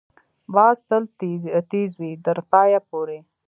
باز تل تېز وي، تر پایه پورې